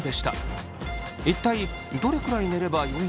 一体どれくらい寝ればよいのでしょうか？